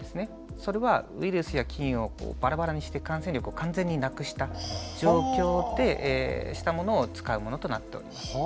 それはウイルスや菌をバラバラにして感染力を完全になくした状況にしたものを使うものとなっております。